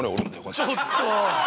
ちょっと！